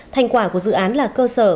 thành quả của dự án là cơ sở